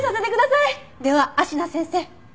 では芦名先生